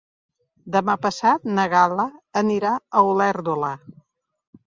Demà passat na Gal·la anirà a Olèrdola.